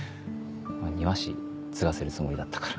庭師継がせるつもりだったから。